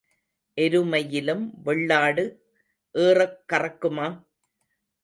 எருமையிலும் வெள்ளாடு ஏறக் கறக்குமா?